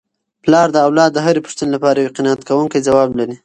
پلار د اولاد د هرې پوښتني لپاره یو قناعت کوونکی ځواب لري.